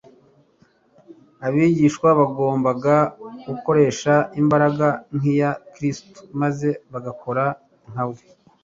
Abigishwa bagombaga gukoresha imbaraga nk'iya Kristo maze bagakora nka we